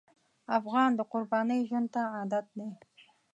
افغان د قربانۍ ژوند ته عادت دی.